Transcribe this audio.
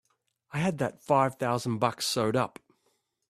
I had that five thousand bucks sewed up!